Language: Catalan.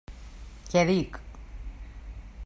Què dic?